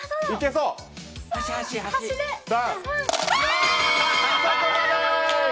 そこまで！